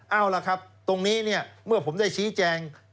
เอาล่ะครับตรงนี้เนี่ยเมื่อผมได้ชี้แจง